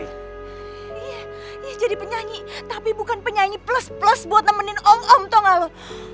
iya jadi penyanyi tapi bukan penyanyi plus plus buat nemenin om om tau gak lo